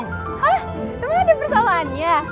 hah emang ada persamaannya